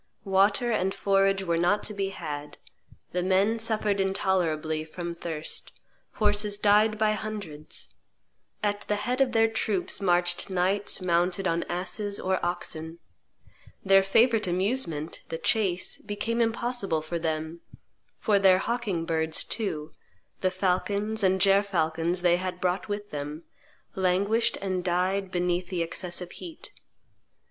Water and forage were not to be had; the men suffered intolerably from thirst; horses died by hundreds; at the head of their troops marched knights mounted on asses or oxen; their favorite amusement, the chase, became impossible for them; for their hawking birds too the falcons and gerfalcons they had brought with them languished and died beneath the excessive heat.